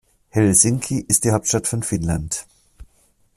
Helsinki ist die Hauptstadt von Finnland.